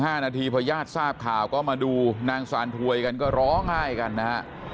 นาทีพอญาติทราบข่าวก็มาดูนางซานถวยกันก็ร้องไห้กันนะฮะ